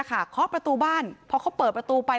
เคาะประตูบ้านพอเขาเปิดประตูไป